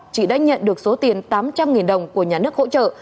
chị đã nhận được số tiền tám trăm linh đồng của nhà nước hỗ trợ